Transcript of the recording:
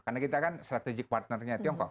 karena kita kan strategik partnernya tiongkok